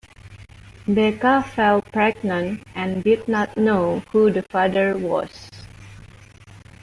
Becca fell pregnant and did not know who the father was.